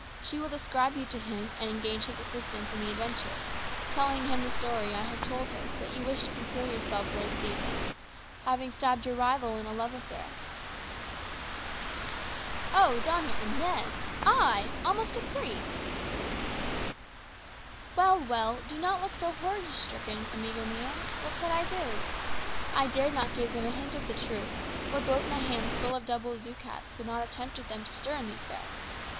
She will describe you to him, and engage his assistance in the adventure, telling him the story I have told her, that you wish to conceal yourself for a season, having stabbed your rival in a love affair." "O Doña Inez! I? almost a priest!" "Well, well; do not look so horror stricken, amigo mia. What could I do? I dared not give them a hint of the truth, or both my hands full of double ducats would not have tempted them to stir in the affair.